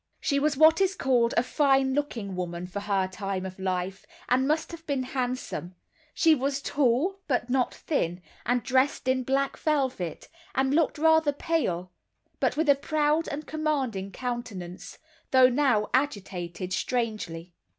She was what is called a fine looking woman for her time of life, and must have been handsome; she was tall, but not thin, and dressed in black velvet, and looked rather pale, but with a proud and commanding countenance, though now agitated strangely.